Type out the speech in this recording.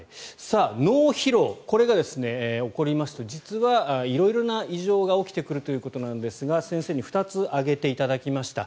脳疲労、これが起こりますと実は色々な異常が起きてくるということなんですが先生に２つ、挙げていただきました。